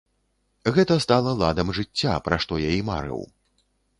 Гэта стала ладам жыцця, пра што я і марыў.